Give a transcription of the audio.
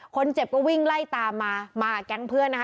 คนเจ็บก็วิ่งไล่ตามมามากับแก๊งเพื่อนนะคะ